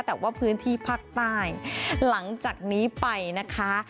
แต่ว่าพื้นที่ภาคใต้หลังจากนี้ไปนะคะ